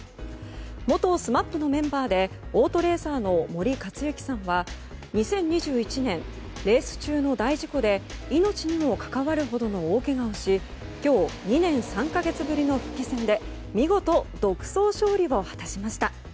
元ＳＭＡＰのメンバーでオートレーサーの森且行さんは２０２１年、レース中の大事故で命にも関わるほどの大けがをし今日、２年３か月ぶりの復帰戦で見事独走勝利を果たしました。